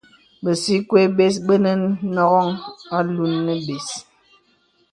Bə̀sikwe bes bə̄ nə̀ nɔ̀ghaŋ alūn nə̀ bès.